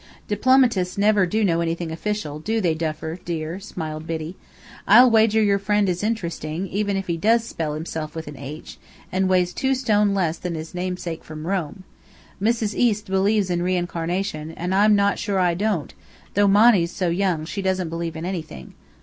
"Diplomatists never do know anything official, do they, Duffer dear?" smiled Biddy. "I'll wager your friend is interesting, even if he does spell himself with an 'H', and weighs two stone less than his namesake from Rome. Mrs. East believes in reincarnation, and I'm not sure I don't, though Monny's so young she doesn't believe in anything.